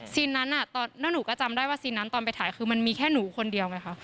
นั้นแล้วหนูก็จำได้ว่าซีนนั้นตอนไปถ่ายคือมันมีแค่หนูคนเดียวไงค่ะ